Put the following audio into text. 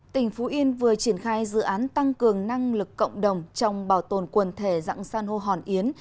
tỉnh phú yên vừa triển khai dự án tăng cường năng lực cộng đồng trong bảo tồn quần thể dạng san hô hòn yến